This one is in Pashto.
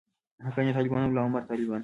حقاني طالبان او ملاعمر طالبان.